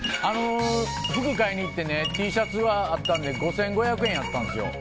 服買いに行ってＴシャツはあったのに５５００円やったんですよ。